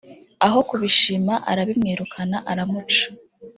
Aho kubishima arabimwirukana aramuca